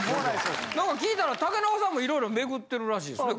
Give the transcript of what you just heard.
なんか聞いたら竹中さんもいろいろ巡ってるらしいですね